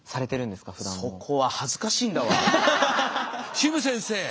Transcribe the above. シム先生。